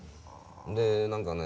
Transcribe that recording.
で何かね